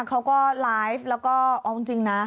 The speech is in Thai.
เขาก็ไลฟ์แล้วก็เอาจริงนะ